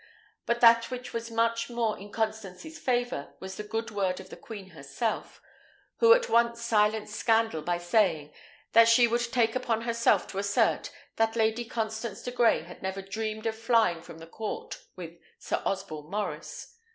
But that which was much more in Constance's favour was the good word of the queen herself, who at once silenced scandal by saying, that she would take upon herself to assert, that Lady Constance de Grey had never dreamed of flying from the court with Sir Osborne Maurice.